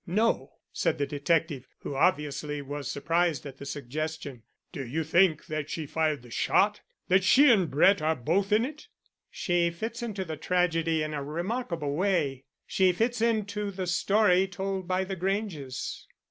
"No," said the detective, who obviously was surprised at the suggestion. "Do you think that she fired the shot; that she and Brett are both in it?" "She fits into the tragedy in a remarkable way she fits into the story told by the Granges."